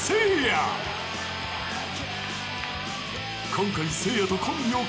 ［今回］